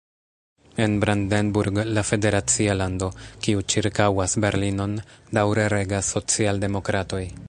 En Brandenburg, la federacia lando, kiu ĉirkaŭas Berlinon, daŭre regas socialdemokratoj.